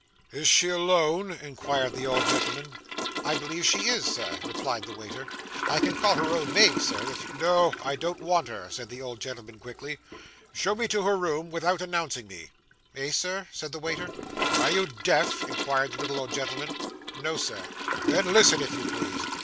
'Is she alone?' inquired the old gentleman. 'I believe she is, Sir,' replied the waiter; 'I can call her own maid, Sir, if you ' 'No, I don't want her,' said the old gentleman quickly. 'Show me to her room without announcing me.' 'Eh, Sir?' said the waiter. 'Are you deaf?' inquired the little old gentleman. 'No, sir.' 'Then listen, if you please.